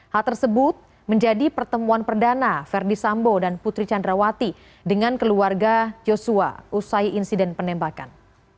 hal tersebut menjadi pertemuan perdana verdi sambo dan putri candrawati dengan keluarga joshua usai insiden penembakan